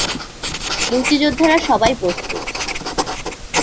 মুক্তিযোদ্ধারা সবাই প্রস্তুত।